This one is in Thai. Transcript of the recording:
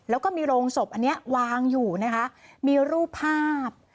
แล้วก็มีโรงศพอันนี้วางอยู่นะคะมีรูปภาพ